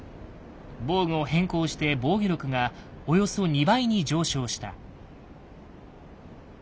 防具を変更して防御力がおよそ２倍に上昇した。